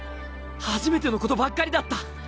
初めてのことばっかりだった。